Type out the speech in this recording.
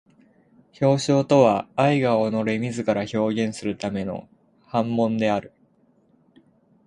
表象とは愛が己れ自ら表現するための煩悶である。